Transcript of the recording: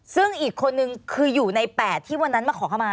ซึ่งอีกคนนึงคืออยู่ใน๘ที่วันนั้นมาขอเข้ามา